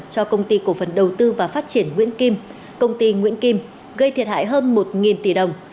cho công ty cổ phần đầu tư và phát triển nguyễn kim công ty nguyễn kim gây thiệt hại hơn một tỷ đồng